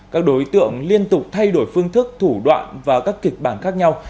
các đối tượng liên tục thay đổi phương thức thủ đoạn và các kịch bản khác nhau